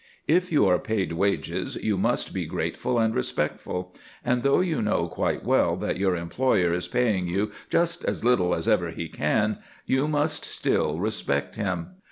If you are paid wages, you must be grateful and respectful; and though you know quite well that your employer is paying you just as little as ever he can, you must still respect him.